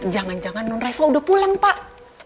jangan jangan non reva udah pulang pak